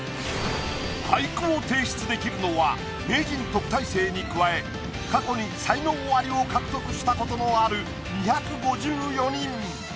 俳句を提出できるのは名人・特待生に加え過去に才能アリを獲得したことのある２５４人。